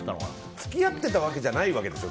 付き合ってたわけじゃないわけでしょ。